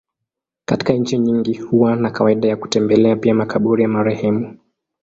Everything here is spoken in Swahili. Katika nchi nyingi huwa na kawaida ya kutembelea pia makaburi ya marehemu.